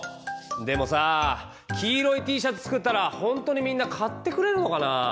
でもさ黄色いＴシャツ作ったらほんとにみんな買ってくれるのかな？